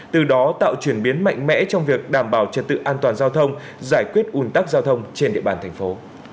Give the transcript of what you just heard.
từ đó tạo chuyển biến mạnh mẽ trong việc đảm bảo trật tự an toàn giao thông giải quyết ủn tắc giao thông trên địa bàn thành phố